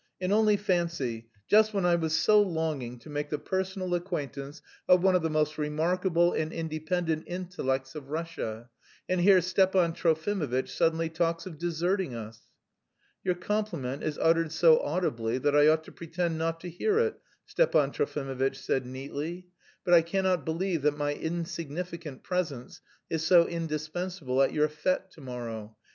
and only fancy, just when I was so longing to make the personal acquaintance of one of the most remarkable and independent intellects of Russia and here Stepan Trofimovitch suddenly talks of deserting us." "Your compliment is uttered so audibly that I ought to pretend not to hear it," Stepan Trofimovitch said neatly, "but I cannot believe that my insignificant presence is so indispensable at your fête to morrow.